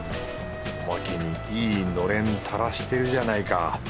おまけにいいのれんたらしてるじゃないか。